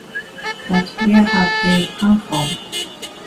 But where have they come from?